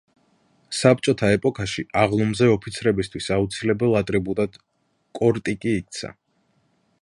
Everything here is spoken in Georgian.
საბჭოთა ეპოქაში, აღლუმზე ოფიცრებისთვის აუცილებელ ატრიბუტად კორტიკი იქცა.